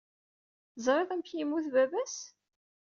Teẓrid amek ay yemmut baba-s?